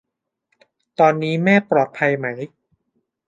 ตอนนี้แม่ปลอดภัยไหม ?